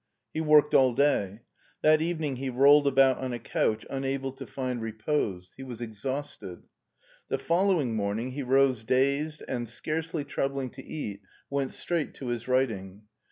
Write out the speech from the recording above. He worked all day. That evening he rolled about on a couch unable to find repose. He was exhausted. The following morning he rose dazed, and, scarcely troubling to eat, went straight to his writing.